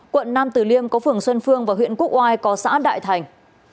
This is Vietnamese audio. quận nam tử liêm có phường xuân phương và huyện quốc oai có xã đại thành